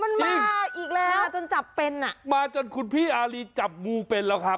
มันมาอีกแล้วอ่ะจนจับเป็นอ่ะมาจนคุณพี่อารีจับงูเป็นแล้วครับ